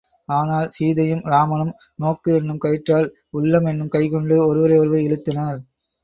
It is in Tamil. ஆனால் சீதையும் இராமனும், நோக்கு என்னும் கயிற்றால் உள்ளம் என்னும் கைகொண்டு ஒருவரை ஒருவர் இழுத்தனர்.